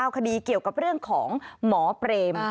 คดีเกี่ยวกับเรื่องของหมอเปรม